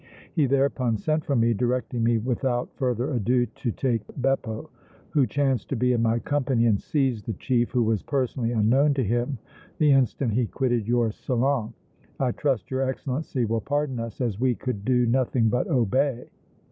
He thereupon sent for me, directing me without further ado to take Beppo, who chanced to be in my company, and seize the chief, who was personally unknown to him, the instant he quitted your salon. I trust your Excellency will pardon us, as we could do nothing but obey."